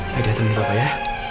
baiklah teman papa ya